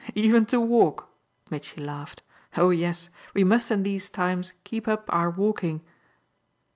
"Even to walk!" Mitchy laughed. "Oh yes, we must in these times keep up our walking!"